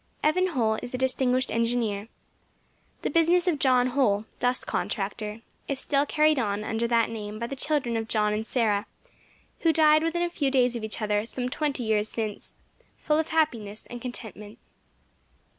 Evan Holl is a distinguished engineer. The business of John Holl, Dust Contractor, is still carried on under that name by the children of John and Sarah, who died within a few days of each other, some twenty years since, full of happiness and contentment.